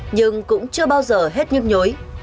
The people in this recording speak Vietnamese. nhưng cũng chưa bao giờ hết nhức nhối